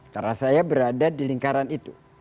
karena saya berada di lingkaran itu